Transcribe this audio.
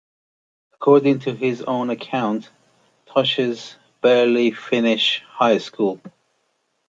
According to his own account, Tosches "barely finished high school".